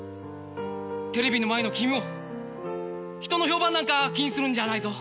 テレビの前の君も人の評判なんか気にするんじゃないぞ。